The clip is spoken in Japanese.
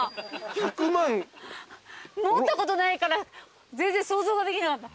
持ったことないから全然想像ができなかった。